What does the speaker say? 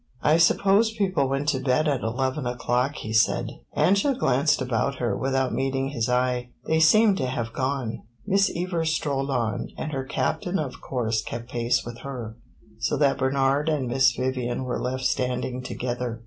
"I supposed people went to bed at eleven o'clock," he said. Angela glanced about her, without meeting his eye. "They seem to have gone." Miss Evers strolled on, and her Captain of course kept pace with her; so that Bernard and Miss Vivian were left standing together.